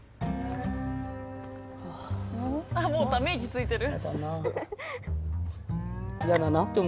もうため息ついてる。